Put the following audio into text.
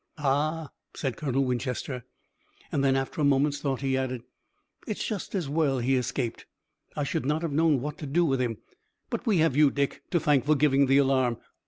"Ah!" said Colonel Winchester, and then after a moment's thought he added: "It's just as well he escaped. I should not have known what to do with him. But we have you, Dick, to thank for giving the alarm.